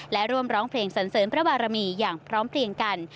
และร่วมร้องเพลงสันเสริญพระบารมีอย่างพร้อมเพลียงกัน